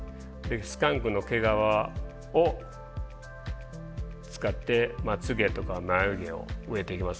スカンクの毛皮を使ってまつげとか眉毛を植えていきます。